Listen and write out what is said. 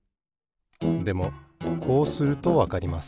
でもこうするとわかります。